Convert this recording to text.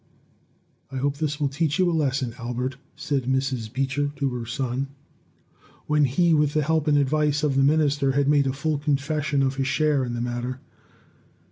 "I hope this will teach you a lesson, Albert," said Mrs. Beecher to her son, when he, with the help and advice of the minister, had made a full confession of his share in the matter.